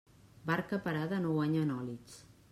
Barca parada no guanya nòlits.